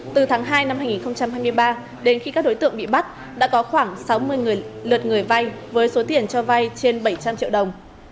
từ tháng hai năm hai nghìn hai mươi ba đến khi các đối tượng bị bắt đã có khoảng sáu mươi lượt người vay với số tiền cho vay trên bảy trăm linh triệu đồng